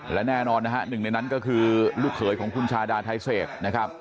และแน่นอนนะฮะหนึ่งในนั้นก็คือลูกเขยของคุณชาดาไทเศษนะครับ